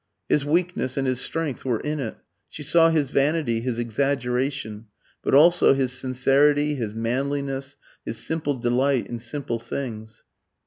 His weakness and his strength were in it. She saw his vanity, his exaggeration; but also his sincerity, his manliness, his simple delight in simple things.